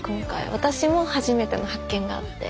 私も初めての発見があって。